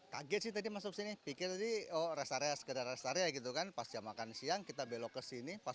kaget sih tadi masuk sini pikir tadi oh rest area sekedar rest area gitu kan pas jam makan siang kita belok ke sini pas